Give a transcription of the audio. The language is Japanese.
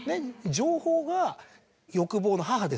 情報が欲望の母ですから。